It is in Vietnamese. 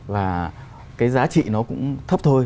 và cái giá trị nó cũng thấp thôi